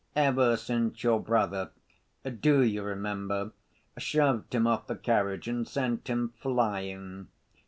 "Ever since your brother, do you remember, shoved him off the carriage and sent him flying.